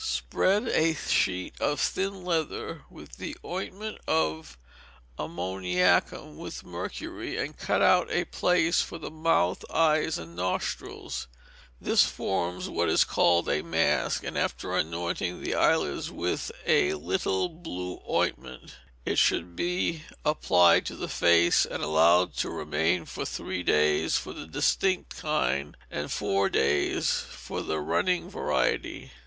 Spread a sheet of thin leather with the ointment of ammoniacum with mercury, and cut out a place for the mouth, eyes, and nostrils. This forms what is called a mask, and, after anointing the eyelids with a little blue ointment, it should be applied to the face, and allowed to remain for three days for the distinct kind, and four days for the running variety.